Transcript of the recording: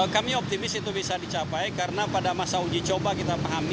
kami optimis itu bisa dicapai karena pada masa uji coba kita pahami